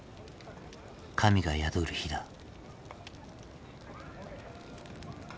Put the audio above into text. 神が宿る火だ。